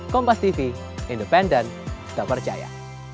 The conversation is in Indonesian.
kompas tv independen tak percaya